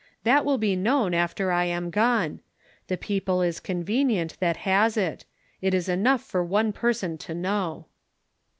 That will be known after I am gone. The people is convenient that has it. It is enough for one person to know."